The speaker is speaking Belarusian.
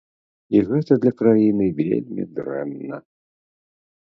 І гэта для краіны вельмі дрэнна.